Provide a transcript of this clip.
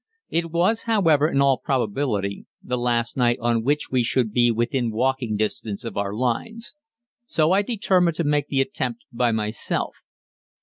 It was, however, in all probability the last night on which we should be within walking distance of our lines, so I determined to make the attempt by myself.